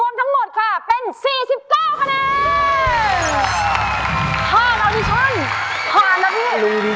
ช่วยฝังดินหรือกว่า